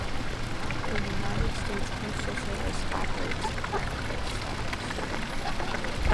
The United States Postal Service operates the Brent Post Office.